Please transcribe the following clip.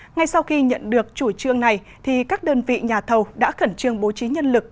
ngay sau khi nhận được chủ trương này các đơn vị nhà thầu đã khẩn trương bố trí nhân lực